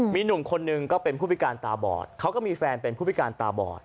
มีหนุ่มคนหนึ่งก็เป็นผู้พิการตาบอดเขาก็มีแฟนเป็นผู้พิการตาบอด